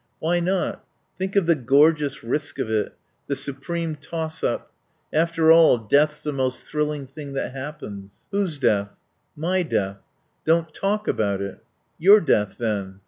"Why not? Think of the gorgeous risk of it the supreme toss up. After all, death's the most thrilling thing that happens." "Whose death?" "My death." "Don't talk about it." "Your death then."